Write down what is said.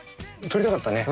撮りたかったね。